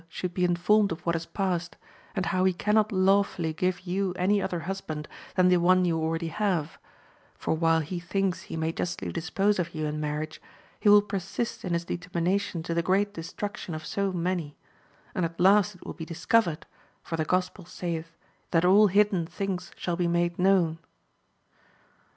203 should be informed of what has passed, and how he cannot lawfully give you any other husband than the one you already have ; for while he thinks he may justly dispose of you in marriage, he will persist in his determination to the great destruction of so many; and at last it will be discovered, iot the Gospel sayeth, that all hidden things shall be made known.